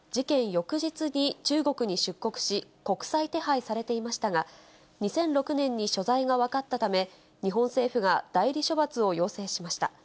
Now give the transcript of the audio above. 翌日に中国に出国し、国際手配されていましたが、２００６年に所在が分かったため、日本政府が代理処罰を要請しました。